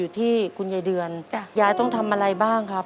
อเรนนี่ต้องมีวัคซีนตัวหนึ่งเพื่อที่จะช่วยดูแลพวกม้ามและก็ระบบในร่างกาย